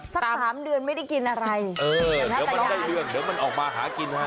สักสามเดือนไม่ได้กินอะไรเออเดี๋ยวมันได้เดือนเดี๋ยวมันออกมาหากินฮะ